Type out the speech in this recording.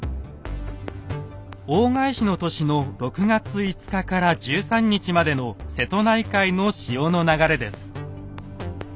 大返しの年の６月５日から１３日までの瀬戸内海の潮の流れです。